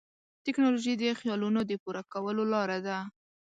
ټیکنالوژي د خیالونو د پوره کولو لاره ده.